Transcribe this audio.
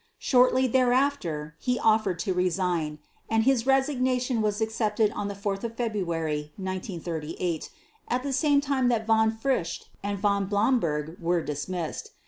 Shortly thereafter he offered to resign, and his resignation was accepted on 4 February 1938, at the same time that Von Fritsch and Von Blomberg were dismissed.